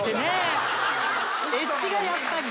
エッジがやっぱりね。